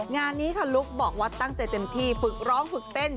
งานนี้ค่ะลุ๊กบอกว่าตั้งใจเต็มที่ฝึกร้องฝึกเต้น